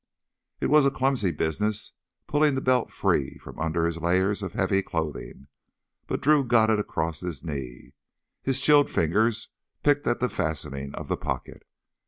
It was a clumsy business, pulling the belt free from under his layers of heavy clothing. But Drew got it across his knee. His chilled fingers picked at the fastening of the pocket.